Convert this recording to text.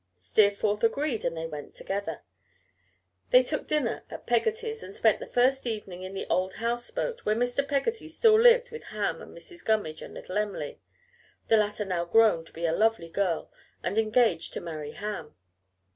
Steerforth agreed and they went together. They took dinner at Peggotty's and spent the first evening in the old house boat, where Mr. Peggotty still lived with Ham and Mrs. Gummidge and little Em'ly, the latter now grown to be a lovely girl and engaged to marry Ham.